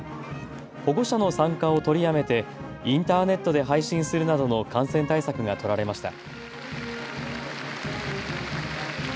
保護者の参加を取りやめてインターネットで配信するなどの感染対策が取られました。